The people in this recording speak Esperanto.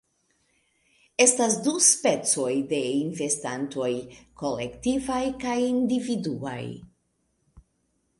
Estas du specoj de investantoj: kolektivaj kaj individuaj.